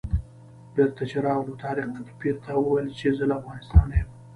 بېرته چې راغلو طارق پیر ته وویل چې زه له افغانستانه یم.